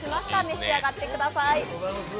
召し上がってください。